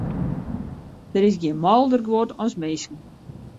Der is gjin mâlder guod as minsken.